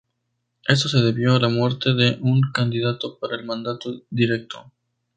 Esto se debió a la muerte de un candidato para el mandato directo.